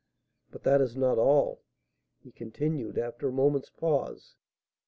But that is not all," he continued, after a moment's pause.